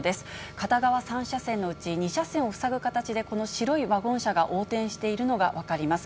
片側３車線のうち２車線を塞ぐ形でこの白いワゴン車が横転しているのが分かります。